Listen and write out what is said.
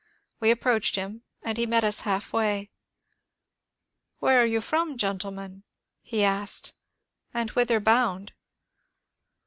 We approached him, and he met us half way. " Where are you from, gentlemen," he asked, ^' and whither bound